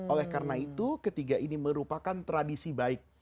oleh karena itu ketiga ini merupakan tradisi baik